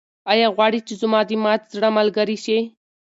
ایا غواړې چې زما د مات زړه ملګرې شې؟